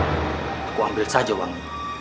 aku ambil saja wang